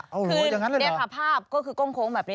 คือนี่ค่ะภาพก็คือโก้งโค้งแบบนี้